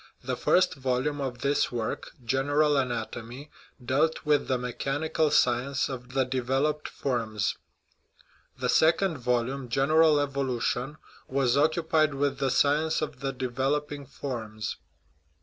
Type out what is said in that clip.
The first volume of this work (" General Anatomy ") dealt with the " mechani 79 THE RIDDLE OF THE UNIVERSE cal science of the developed forms "; the second volume ("General Evolution") was occupied with the science of the " developing forms."